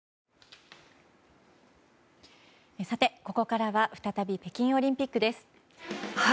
ここからは再び北京オリンピックです。